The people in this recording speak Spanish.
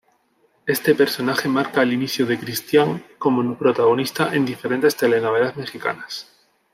Este personaje marca el inicio de Cristián como protagonista en diferentes Telenovelas Mexicanas.